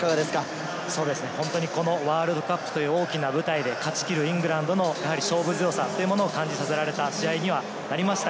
ワールドカップという大きな舞台で勝ち切るイングランドの勝負強さを感じさせられた試合になりました。